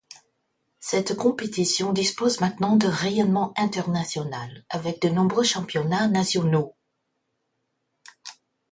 Cette compétition dispose maintenant d'un rayonnement international, avec de nombreux championnats nationaux.